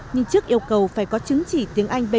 nhưng trước yêu cầu phải có chứng chỉ tiếng anh b